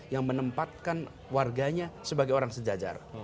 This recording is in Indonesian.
yang menempatkan warganya sebagai orang sejajar